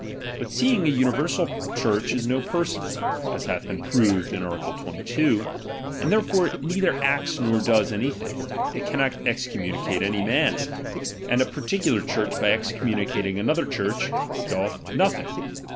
But seeing an uni ■Bersal Church is no person, (as hath been proved in art. 22), and therefore neither acts nor does any thing, it cannot excommunicate any man ; and a particular Church by excommunicating another Church, doth nothing.